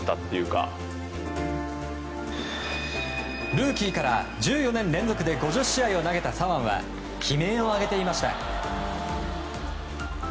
ルーキーから１４年連続で５０試合を投げた左腕は悲鳴を上げていました。